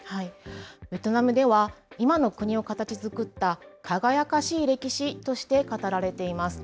ベトナムでは、今の国を形づくった輝かしい歴史として語られています。